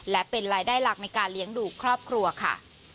และเป็นรายได้หลักในการเลี้ยงดูครอบครัวค่ะ